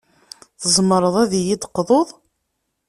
Tzemreḍ ad yi-d-teqḍuḍ?